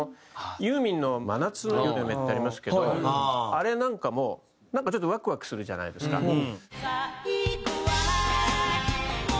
ユーミンの『真夏の夜の夢』ってありますけどあれなんかもなんかちょっとワクワクするじゃないですか。